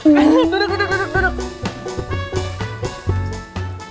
duduk duduk duduk